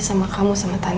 sedangkan orang lain